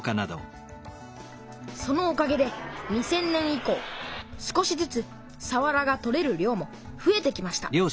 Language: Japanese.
そのおかげで２０００年以こう少しずつさわらが取れる量もふえてきました